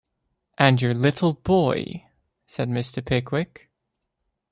‘And your little boy —’ said Mr. Pickwick.